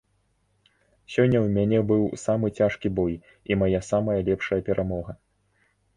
Сёння ў мяне быў самы цяжкі бой і мая самая лепшая перамога!